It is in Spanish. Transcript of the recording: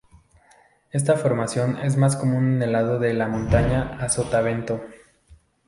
Esta formación es más común en el lado de la montaña a sotavento.